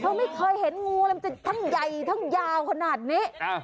เขาไม่เคยเห็นงูอะไรมันจะทั้งใหญ่ทั้งยาวขนาดนี้อ่า